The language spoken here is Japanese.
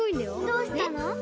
どうしたの？